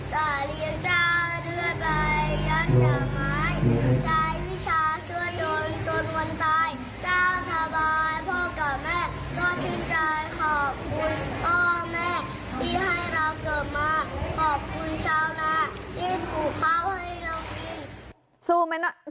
ขอบคุณพ่อแม่ที่ให้เราเกิดมาขอบคุณชาวน้าที่ปลูกข้าวให้เรากิน